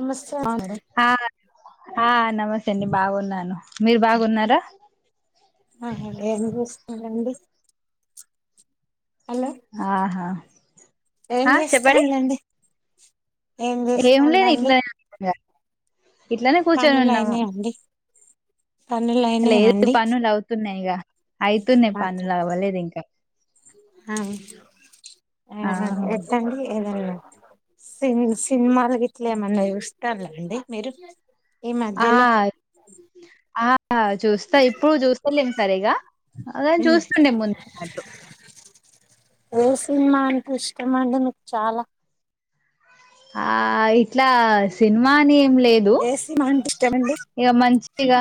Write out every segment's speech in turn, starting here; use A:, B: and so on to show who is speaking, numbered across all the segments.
A: నమస్తే ఆ
B: ఆ ఆ నమస్తే అండి బాగున్నాను మీరు బాగున్నారా
A: అ ఎమిరిస్ అదండి
B: ఆహా
A: ఏం
B: హా చెప్పరి
A: చేస్తానులేండి
B: ఏం లేదు ఇట్లా ఆ ఇట్లానే కూర్చొని ఉన్నాము
A: పనులైనా అండి పనులైనా
B: లే
A: అండి
B: పనులు అవుతున్నాయి ఇక అయితున్నాయి పనులు అవ్వలేదు ఇంకా
A: ఆ ఆ ఎత్తండి ఏదన్నా సినిమలు ఇట్లా ఏమన్నా చూస్తలాండి మీరు ఏ
B: ఆ
A: మాధ్యలో
B: ఆ చూస్తా ఇప్పుడు చూస్తలేం సరిగా అని చూస్తండే ముందున్నట్టు
A: ఉత్తరమండును చాలా
B: ఆ ఇట్లా సినిమాని
A: ఏసి మంట్
B: ఇక మంచిగా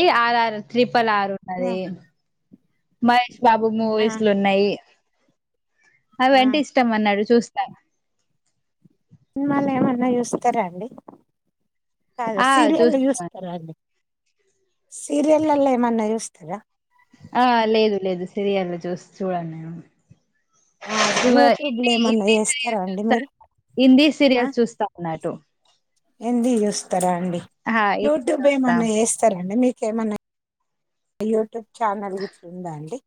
B: ఈ ఆథారు ప్పలారు ఉన్నది మహేష్ బాబు
A: ఆ
B: మూవీస్లు ఉన్నాయి
A: ఆ
B: అవంటే ఇష్టం అన్నాడు చూస్తా
A: సినిిమళ్ళ ఏమన్నా చూస్తారా అండి కాే
B: ఆ
A: సీరియల్
B: చూస్తా
A: చూస్స్తార అన్ని సీరియల్లల్లు చూస్తరా
B: ఆ లేదు లేదు సీరియల్ చూస్ చూడను నేను
A: ఆ అస
B: ఇవ
A: యూట్యూబ్లో ఏమన్నా
B: హిందీ హిందీ
A: చేస్తారా
B: సీరియల్స్
A: అండి మీరు
B: చూస్తాను హిందీ
A: ఆ
B: సీరియల్స్ చూస్తా అన్నట్టు
A: హిందీయి చూస్
B: ఆ హిందీ
A: యూట్యూబ్
B: చూస్తా
A: ఏమన్నా చేస్తారండి మీ ఇంకేమన్నా యూట్యూబ్ ఛానల్ గిట్ల ఉందా అండి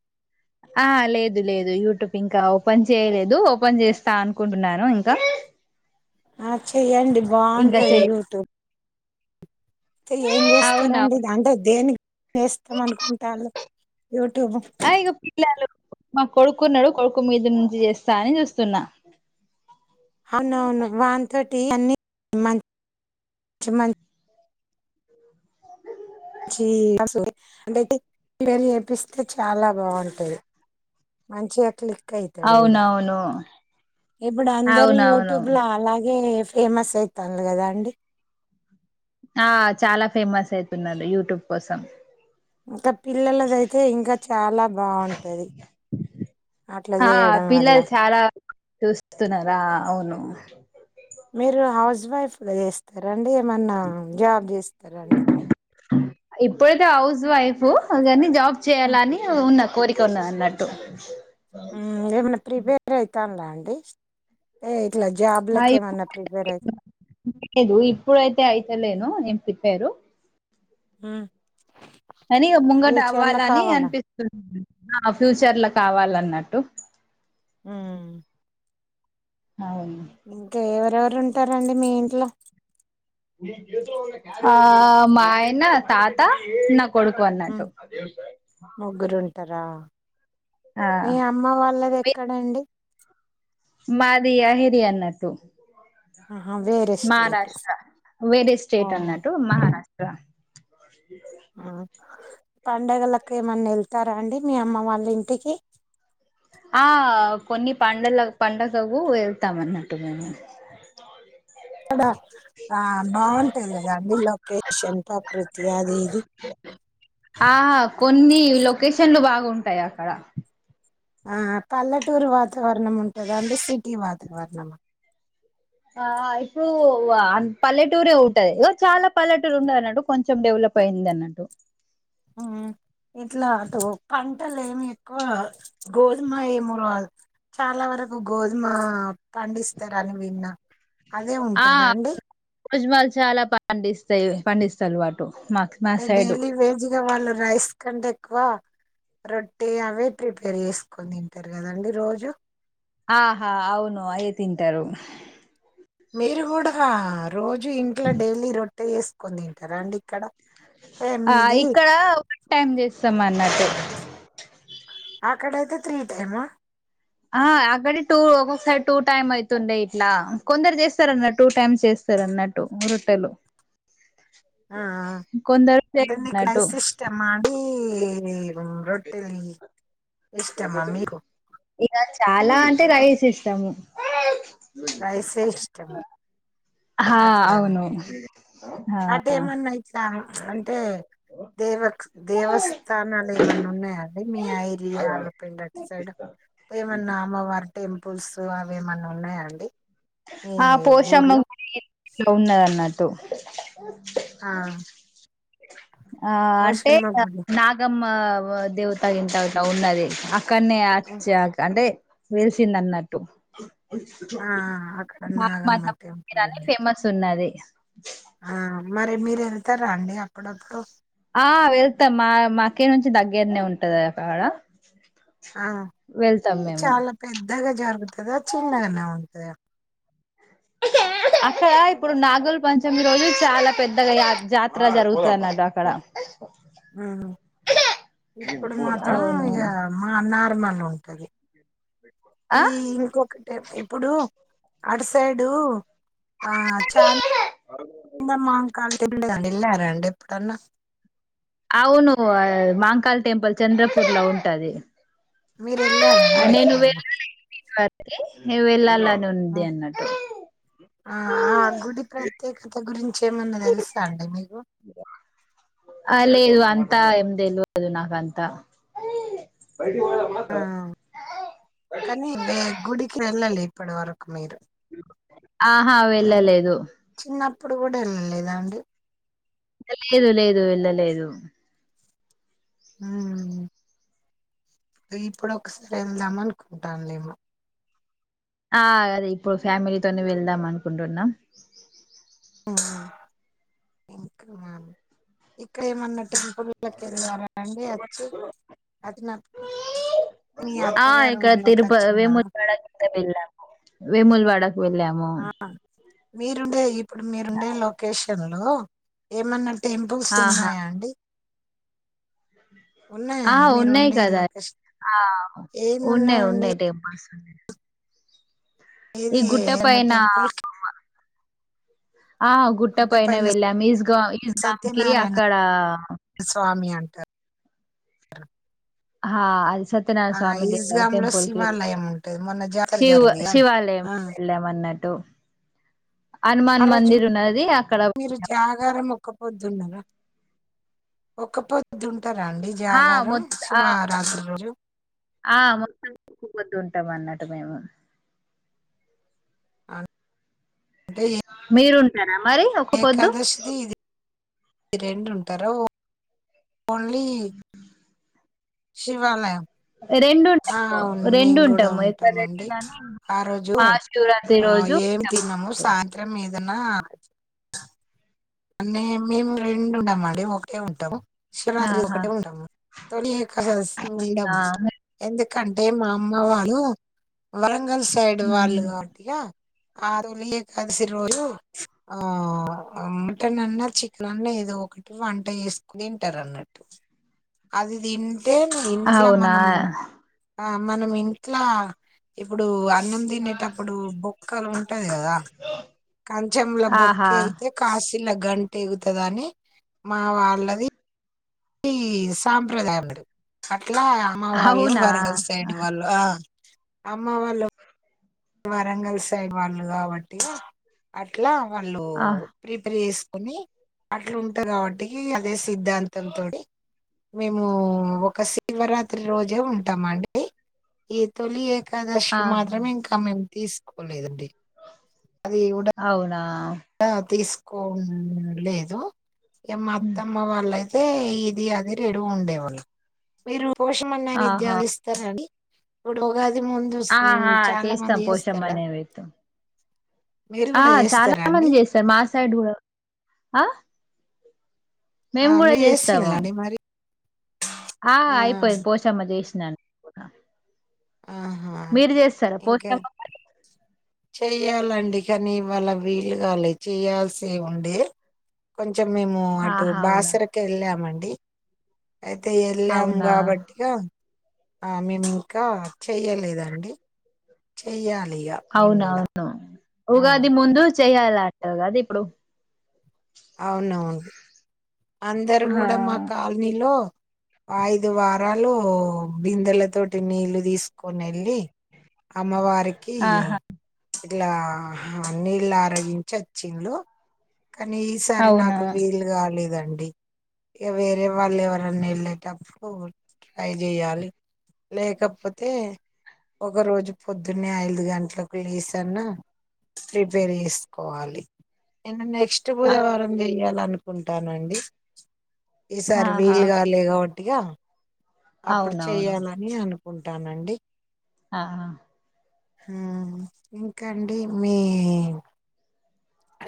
B: ఆ లేదు లేదు యూట్యూబ్ ఇంకా ఓపెన్ చేయలేదు ఓపెన్ చేస్తా అనుకుంటున్నాను ఇంకా
A: ఆ చెయ్యండి
B: ఇంకా
A: బాగుంటది
B: చెయ్
A: యూట్యూబ్ అంటే ఏం చేస్తారండి
B: అవునవును
A: ఇది అంటే దేనికి చేస్తాం అనుకుంటాలు
B: ఆగ పిల మా కొడుకున్నాడు కొడుకు మీదు నుంచి చేస్తా అని చూస్తున్నా
A: అవునువును వన్ థర్టీ అన్ని మంచి మ జ అ అంటే చెపిస్తే చాలా బాగుంటుంది మంచి ఎట్లి వుతాడు కూడా
B: అవునవును
A: ఇప్పుడు అందరుూ
B: అవునవును
A: యూట్యూబ్ లో అలాగే ఫేమస్ అవుతుంది కదా అండి
B: ఆ చాలా ఫేమస్ అయితున్నారుడు యూట్యూబ్ కోసం
A: ఇంకా పిల్లలదయితే ఇంకా చాలా బాగుంటంది అట్లా
B: ఆ
A: చేయడం వల్ల
B: పిల్లలు చాలా చూస్తున్నారా అవును
A: మీరు హౌస్ వైఫ్ గా చేస్తారా అ ఏమ జా చేస్తారా అండి
B: వైఫ అ జాబ్ చేయాలని ఉన్న కోరికను అన్నట్టు
A: ఏమన్నా ప్రిపేర్ అయితా అలా అంటడి అ
B: ఆప్పు లేదు ఇప్పుడు అైతే అయితేలేను చెప్పారు
A: హ
B: అని ముంగట అవ్వాల అని
A: కావాలా
B: అనిపిస్తుంది ఆ ఫ్యూచర్ లో కావాలన్నట్టు
A: ఆ
B: అవును
A: ఇంకా ఏమ ఎరెవరు ఉంటారండి మీ ఇంట్లో
B: ఆ మాయనా తత న కొడుకున్నటటు
A: మ్మ్ ముగ్గురు ఉంటారా మీ అమ్మ వాళ్ళది
B: మీ-
A: ఎక్కడంండి
B: మాది [unintelligible] అనట్టు
A: ఆహా వేరే స్టేట్
B: మహారాష్ట్ర వేరే
A: ఓ
B: స్టేట్ అన్నట్టు మహారాష్ట్ర [unintelligible]
A: పండగలకు ఏమన్నా వెళ్తారా అండి మీ అమ్మ వాళ్ళ ఇంటికి
B: ఆ కొన్ని పండల పండగకు వెళ్తాం అన్నట్టు మేము
A: అక్కడ ఆ బాగుంటుది కదండి లొకేషన్ ప్రకృతి అది ఇది
B: అన్ని లొకేషన్లు బాగుంటాయి అక్కడ
A: ఆ పల్లెటూరు వాతావరణం ఉంటంద అండి సిటీ వాతావరణం
B: ఆ ఇప్పుడు పల్లెటూరే ఉంటదిో చాలా పల్లెటూరు ఉంది అన్నట్టు కొంచెం డెవలప్ అయింది అన్నట్టు
A: ఇట్లా అటు పంటలు ఏమి ఎక్కువ గోధుమ ఏమో చాలా వరకు గోధుమ పండిస్తారని విన్నా అదే
B: ఆ
A: ఉంటదా అండి
B: భోజనాలు చాలా పండిస్తాయి పండిస్తారు వా
A: అంటే డైలీ వేజ్గా వాళ్ళు రైస్ క్కడి ఎక్కువ రొట్ట అవే ప్రీ పె చేేసుకొని తింటారు కదండి రోజు
B: ఆహా అవును అవే తింటారు
A: మీరు కూడా రోజు ఇంట్లో డైలీ రొట్టె చెస్ కొ తింటారాండి ఇక్కడ అంటే
B: ఆ
A: మీది
B: ఇక్కడ వన్ టైమ్ చేస్తాం అండి నట్టు
A: అక్కడయితే త్రీ టైమా
B: ఆ అక్కడ టూ ఒక్కొక్కసారి టూ టైమ్ అవుతుండే ఇట్లా కొందరు చేస్తారు అన్న టూ టైమ్ చేస్తారు అన్నట్టు రొట్టెలు
A: ఆ
B: కొందరు
A: అంత
B: చేయన్నట్టు
A: క్రైసిిష్ట మీ రొట్టలీ ఇష్టమ్మా మీరు
B: ఇక చాలా అంటే రైస్ ఇష్టము
A: రైసే ఇష్టమా
B: హా అవును ఆ
A: అదేమన్నా ఇట్లా అంటే దేవ దేవస్థానాలు ఏమన్నా ఉన్నాయాండి. మీ ఐరియాల పెండి అటు సైడ్ ఏమన్నా అమ్మవారి టెంపుల్స్ అవి ఏమన్న ఉన్నాయా అండి
B: ఆ పోషమ్మ గుడి ఉన్నదన్నట్ తో
A: ఆ
B: ఆ అంటే
A: పోషమ్మ
B: ఇగ
A: గుడి
B: నాగమ్మ ఆ దేవతాగింత ఇట్ల ఉన్నది కన్య ఆచ్చక్ అంటే వెలిసింది అన్నట్టు
A: ఆ అక్కడ
B: మా
A: నాగమ్మ టెంపుల్
B: [unintelligible]
A: ఉంది
B: ఫేమస్ ఉన్నది
A: ఆ మరి మీరు వెళ్తారా అండి అప్పుడప్పుడు
B: ఆ వెళ్తాం ఆడా
A: ఆ చాలా పెద్ దగ జరుగుతుద చిన్నగానే ఉంతద
B: అక్కడ ఇప్పుడు నాగుల్ పంచమి రోజు చాలా పెద్దగా జాతర జరుగుతన్నది అక్కడ
A: మ్మ్ ఇప్పుడు మాత్రం ఇగ మా అన్న ల మను ఉంటది
B: ఆ
A: ఈ ఇంకొకటి ఇప్పుడు ఆటు సైడు ఆ చాం మం మాంకాల్ టెంపుల్ వెళ్ వెళ్ళా రండి ప్పుడన్న
B: అవును మాంకాల్ టెంపుల్ చంద్రపూర్ లో ఉంటది
A: మీరు వెళ్ళార అండి ఎప్పుడన్నా
B: నువు ఎల్లాలా
A: ఆ ఆ గుడి ప్రత్యేకత ఎగురిం చ్చేమన్నా తెలుసా అండి మీకు
B: ఆ లేదు అంతా ఏం దెలువదు నాకంత
A: ఆ కానీ మే గుడికి వెల్లలే ఇప్పుడు వరకు మీరు
B: ఇ ఆహా వెళ్ళలేదు
A: ఇప్పుడు కూడా వెళ్ళలేదా అండి
B: ఇ లేదు లేదు వెళ్ళ లేదు
A: ఆ ఇప్పుడు ఒకసారి వెళ్దాం అనుకుంటండ్లేమో
B: ఆ అదే ఇప్పుడు ఫ్యామిలీతోనే వెళ్దాం అనుకుంటున్నాం
A: ఇంకా మ ఇప్పుడేమన్నా టెం పుల్ కట్లా వెళ్ళారా అండి వచ్చి అదిినట్ నీ అత్తగారు ఊళ్లోకి వచ్చిన్నా
B: దబిళ్ల వేముల్వాడకు వెళ్ళాము
A: మీరుండే ఇప్ ప్పుడు మీరుండే లోకేష్ లో ఏమన్న టెంపుల్స్
B: ఆహా
A: ఉన్నాయా అండి ఉన్నాయా
B: ఆ
A: అండి
B: ఉన్నాయి్
A: మీరుండే
B: కదా
A: లొకేషన్
B: ఆ ఉన్నాయి
A: ఏమున్నాయండి
B: ఉన్నాయి్ టెంపుల్స్ అే
A: ఏది ఏన్న టెంపుల్
B: ఆ ఆ గుట్ట పైన వెళ్ళాం ఈస్ ఈస్గాంకిి
A: సత్యనారాయణ
B: అక్కడ
A: ట
B: హా అది సత్యనారాయణ స్వామి
A: ఈస్గామ్ లో
B: టెంపుల్కి
A: శివాలయం
B: వెళ్ళము
A: ఉంటది మొన్న జాతర
B: శివ
A: జరిగింది అండి ఆ
B: శివాలయనికి వెళ్ళ మన్నట్ లో
A: ఆ
B: హనుమాన్
A: రోజు
B: మందిర్ ఉన్నది అక్కడ
A: మీరు జాగారం ఒక్క పొద్దున్నరాా ఒక్క పొద్దు ఉంటారా అండి
B: ఆ
A: జాగారం
B: మొత్ ఆ
A: శివరాత్రి రోజు
B: ఆ మొత్తాక్కు వద్దు ఉంటాం అన్నట్టు మేము
A: అ అంటే
B: మీరు ఉంటాార మరి ఒక పొద్దు
A: ఈ రెండు ఉంటారా ఓ ఓన్లీ శివాలయం ఆ
B: రెండుంటాము
A: అవును
B: రెండు
A: మేము కూడా
B: ఉంటాము
A: ఉంటామండి
B: ఎక్కడన్నా
A: ఆ రోజు
B: మహాశివరాత్రి రోజు ఉం టం అన్నట్టు
A: దన్న అన్నే మేము రెండు ఉండమండి ఒకే ఉంటాము శివరాత్రి
B: ఆహా
A: ఒక్కటే ఉంటాము తొలి ఏకాదశి రోజు
B: ఆ
A: ఉందాము ఎందు కంటే మామ వాళ్ళు వా వరంగల్ సైడ్ వాళ్ళు
B: ఉమ్.
A: కావట్టిగా అ ఉలియ కదసిరుు ఆ మటన్ అన్నా చికెన్ అన్నా ఏదో ఒకటి వంట చేేసుకుని తింటారు అన్నట్టు అది దీ అేమి ఇంట్లో
B: అవునా
A: మనము ఆ మనం ఇంట్లా ఇప్పుడు అన్నం తిినేటప్పుడు బొక్కలు ఉంటది కదా కంచెంల
B: ఆహా
A: బొక్కతే కాస్త ఇల్లా గంట ఎగుతుదని మా వాళ్ళది ఈ సాప్రదాయం అట్లా అమ్మ వాళ్ళు
B: అవునా
A: వరంగ సైడ్ వాళ్ళ అమ్మ వాళ్ళు వరంగల్ సైడ్ వాళ్ళు కాబట్టి అట్లా వాళ్ళు
B: ఆ
A: ప్రీప ని అట్లు ఉంటా కాబట్టికి అదే సిద్ధాంతం తోని మేము ఒక శివరాత్రి రోజే ఉంటామ అండి ఈ తొలి ఏకాదశి కి
B: ఆహా
A: మాత్రమే ఇంకా తీసుకోలేదండి
B: అవునా
A: ఆ తీసు కో లేదు ఏ మా
B: ఉమ్,
A: అత్తమ్మ వాళ్ళయితే అే ఇది అది రెడు ఉండేవాళ్ళు మీరు పోషమ నై
B: ఆహా
A: విద్యాలు ఇస్తారడి డు
B: ఆహా చేస్తాం పోషమ నీవేద్యం
A: మీరు
B: ఆ
A: కూడా
B: చాలా
A: చేస్తారా
B: చాలా మంది
A: అండి
B: చేస్తారు మాసయిూడ ఆ
A: ఆ
B: మేము కూడా
A: మీరు
B: చేస్తాము
A: చేసిన్లా అండి మరి
B: ఆ అయిపోయి పోషా మ ఇ స్నాన
A: ఆహా
B: మీరు చేస్తారా
A: ఇంకా
B: పోస్తమ
A: చెయ్యాలండి కానీ ఇవాళ వీలుగాలి చేయాల్సి ఉండే కొం కొంచెం మేము అటు
B: ఆహా అవునా
A: బాసరక వెళ్ళామండి అ అయితే వెళ్ళాము
B: అవునా
A: కాబట్టిగా ఆ మీన్ ఇంకా చెయ్యలేదండి చెయాలి ఇగ మేం కూడ
B: అవునవును ఉగాది ముందు చెయాల అంట కాదు ఇప్పుడు
A: అవునవును అందరు
B: ఆ
A: కూడా మా కాలనీలో ఐదు వారాలు బిందెల తోటి నీళ్లుు తీసుకొని వెళ్ళి అమ్మవారికి
B: ఆహా
A: ఇట్లా నీళ్ళ ఆరగించి వచ్చిలు కానీ ఈసారి
B: అవునా
A: నాకు వీలు కాలేదండి ఇక వేరే వాళ్ళు ఎవరన్నా వెళ్ళేటప్పుడు ట్రై చేయాలి లేకపోతే ఒక రోజు పొద్దున్న ఐదు గంటలకు లేసి అన్నా ప్రిపేర్ చేసుకోవాలి ఫాస్ట్
B: ఆ,
A: బుధవారం చెయాలను కుంటానండి ఈసారి
B: ఆహా
A: వీలుగలే గా కాబట్టి ఇగ అప్పుడు
B: అవునవును
A: చెయ్యాలని అను ఉంటానండి
B: ఆ
A: ఆ ఇంకాండి మీ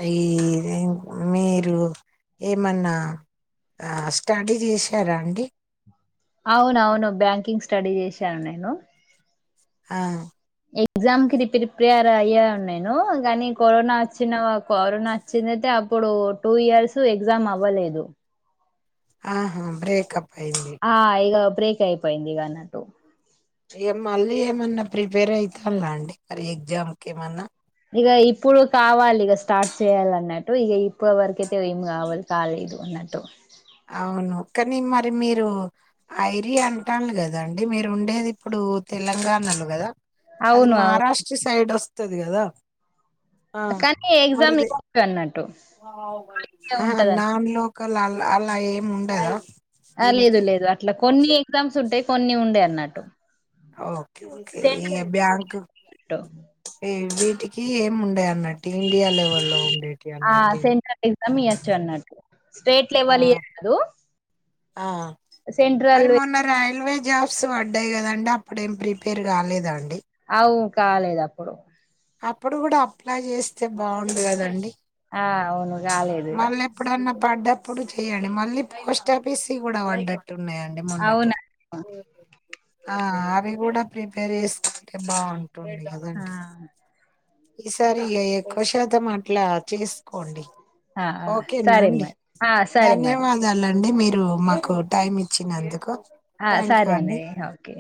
A: ఈ మీరు ఏమన్నా స్టడీ చేసారా అండి,
B: అవున అవును బ్యాంకింగ్ స్టడీ చేశాను నేను,
A: ఆ
B: ఎగ్జామ్ కి ప్రిపేర్ అయ్యానును నేను కానీ కరోనా వచ్చిన కరోనా వచ్చిందయితే అప్పుడు టూ ఇయర్స్ ఎగ్జామ్ అవ్వలేదు
A: ఆహా బ్రేకప్ అయింది
B: ఆ ఇగ బ్రేక్ అయిపోయింది ఇగ అన్నట్టు
A: ఇగ మళ్ళీ ఏమన్నా ప్రిపేర్ ఐ తాళ్ల అండి మరి ఎగ్జామ్ కి ఏమన్నా
B: ఇక ఇప్పుడు కావాలి ఇక స్టార్ట్ చేయాలి అన్నట్టు ఇక ఇప్పుడు వరకు అయితే ఏమి కావాలి కాలేదు అన్నట్టు
A: అవును కానీ మరి మీరు ఐరి అంటను కదా అండి మీరు ఉండేది ఇప్పుడు తెలంగాణలో కదా అది
B: అవును అవును
A: మహారాష్ట్ర సైడ్ వసా వస్తుది కదా ఆ
B: కానీ
A: మరి
B: ఎగ్జామ్
A: అది
B: ఇవ్వచ్చు అన్నట్టు ఉంటదని
A: నాన్ లోకల్ అ అలా ఏమి ఉండదా
B: ఆ లేదు
A: దీనికి
B: లేదు అట్లా కొన్ని ఎగ్జామ్స్ ఉంటాయి కొన్ని ఉండవు అన్నట్టు
A: ఓకే ఓకే ఈ
B: సెంట్రల్
A: బ్యాంక్
B: అన్నట్టు,
A: ఏ వీటికి ఏమి ఉండయన్న అంటే ఇండియా లెవెల్ లో ఉండేటి అన్నటి
B: సమీ అచ్చన్నటు స్టేట్ లెవల్యి గాదు
A: ఆ మరి మొన్న రైల్వే జాబ్స్ వడ్డాయి కదండి అప్పుడేం ప్రిపేర్ గాలేదం
B: అవు కాలేదు అప్పుడు
A: అప్పుడు కూడా అప్లై జేస్తే బాగుండు గదండి
B: ఆ అవును గాలేదిగ
A: ఎప్పుడన్నా పడ్డప్పుడు చేయ్యండి మళ్ళీ పోస్టఫీస్ గూడా వడ్డయ్ ఉన్నయండి మొన్నట్టు
B: అవునా
A: ఆ అవి గూడా ప్రిపేర్ చేసుకుంటే బావుం రొండు
B: ఆ
A: గాదాంటి ఈసారి ఇగ ఎక్కువ శాతం అట్లా చేసుకోండి
B: ఆ
A: ఓకేనా
B: సరే
A: అండి
B: మరి ఆ సరే మరి
A: ఒ మాకు టైమ్ ఇచ్చినందుకు
B: ఆ
A: థ్యాంక్ యూ
B: సరే అండి ఓకే